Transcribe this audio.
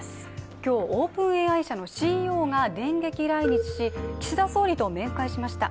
今日、ＯｐｅｎＡＩのＣＥＯが電撃来日し岸田総理と面会しました。